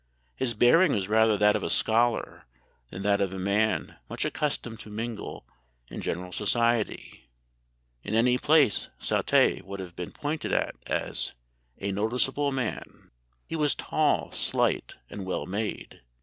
His bearing was rather that of a scholar than that of a man much accustomed to mingle in general society.... In any place Southey would have been pointed at as 'a noticeable man.' He was tall, slight, and well made.